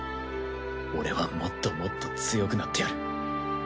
俺はもっともっと強くなってやる。